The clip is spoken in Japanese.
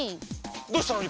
どうしたの？